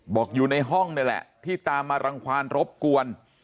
อยู่ในห้องนี่แหละที่ตามมารังความรบกวน